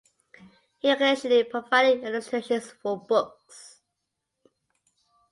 He occasionally provided illustrations for books.